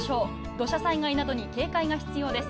土砂災害などに警戒が必要です。